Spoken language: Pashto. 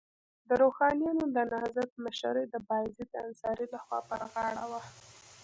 د روښانیانو د نهضت مشري د بایزید انصاري لخوا پر غاړه وه.